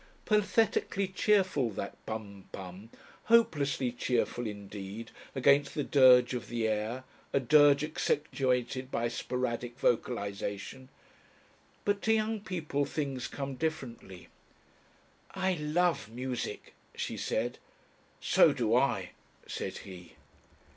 Pathetically cheerful that pum, pum, hopelessly cheerful indeed against the dirge of the air, a dirge accentuated by sporadic vocalisation. But to young people things come differently. "I love music," she said. "So do I," said he.